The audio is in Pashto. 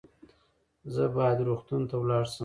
زه باید روغتون ته ولاړ سم